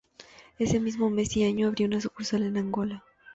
Ese mismo mes y año abrió una sucursal en Angola.